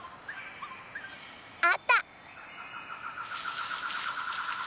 あった！